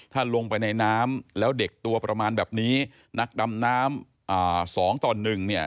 ถ้าลงไปในน้ำแล้วเด็กตัวประมาณแบบนี้นักดำน้ำสองต่อหนึ่งเนี่ย